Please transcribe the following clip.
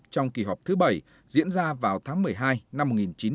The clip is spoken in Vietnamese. trong kỳ họp thứ bảy diễn ra vào tháng một mươi hai năm một nghìn chín trăm chín mươi